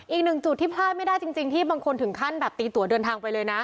อีกหนึ่งจุดที่พลาดไม่ได้จริงที่บางคนถึงขั้นแบบตีตัวเดินทางไปเลยนะ